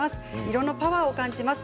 色のパワーを感じます。